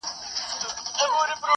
د جنوري پر اووه لسمه `